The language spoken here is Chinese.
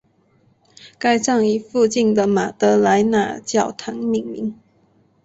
该站以附近的马德莱娜教堂命名。